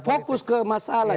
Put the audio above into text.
fokus ke masalah